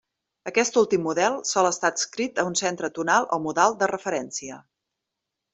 Aquest últim model sol estar adscrit a un centre tonal o modal de referència.